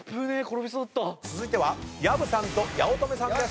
続いては薮さんと八乙女さんです。